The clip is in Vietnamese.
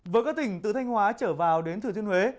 với các tỉnh từ thanh hóa trở vào đến thừa thiên huế